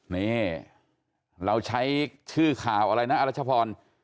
นี่เราใช้ชื่อข่าวอะไรนะอรัชพร